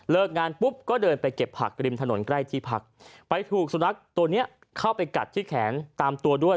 งานปุ๊บก็เดินไปเก็บผักริมถนนใกล้ที่พักไปถูกสุนัขตัวเนี้ยเข้าไปกัดที่แขนตามตัวด้วย